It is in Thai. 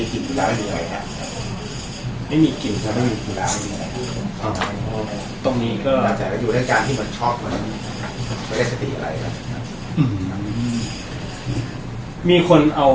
หลายคนตั้งคุณสังเกตว่าผู้ต้องหานี้อาจจะมีอาการมึนเมา